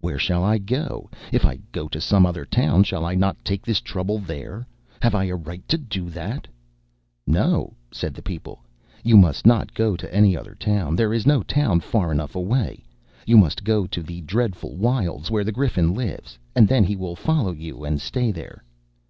"Where shall I go? If I go to some other town, shall I not take this trouble there? Have I a right to do that?" "No," said the people, "you must not go to any other town. There is no town far enough away. You must go to the dreadful wilds where the Griffin lives; and then he will follow you and stay there."